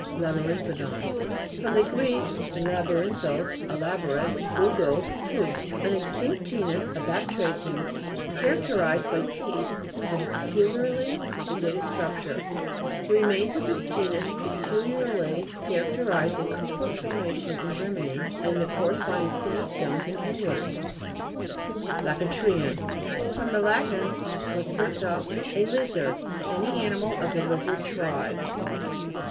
LABTRI'NTHODON fr. gr. laburin thos, a labyrinth, odous, tooth. An extinct genus of batrachians, characterised by teeth of a peculiar ly complicated structure. The re mains of this genus peculiarly cha racterise the Keuper formation in Germany and the corresponding sand stones in England (p. 196, and Jig. 307). LACE'RTIAN fr. lat, lacerta, a lizard. Any animal of the lizard tribe.